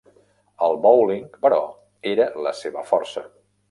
El bowling, però, era la seva força.